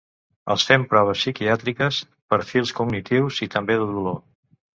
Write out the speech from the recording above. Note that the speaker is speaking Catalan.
Els fem proves psiquiàtriques, perfils cognitius i també de dolor.